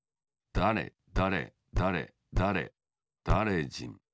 だれだれだれだれだれじん。